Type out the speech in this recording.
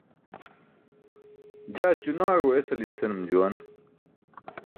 Jaa ćunaaẏo esali̇n, senum juwan.